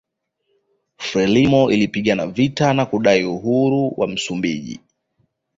Frelimo ilipigana vita na kudai uhuru wa Msumbiji